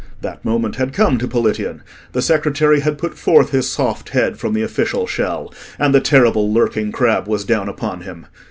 That moment had come to Politian: the secretary had put forth his soft head from the official shell, and the terrible lurking crab was down upon him.